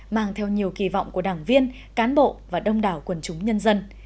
mang theo nhiều kỳ vọng của đảng viên cán bộ và đông đảo quần chúng nhân dân